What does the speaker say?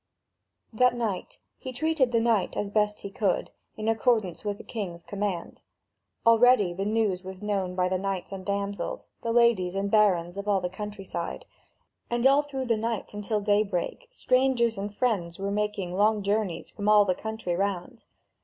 That night he treated the knight as best he could, in accordance with the king's command. Already the news was known by the knights and damsels, the ladies and barons of all the country side, and all through the night until daybreak strangers and friends were making long journeys from all the country round.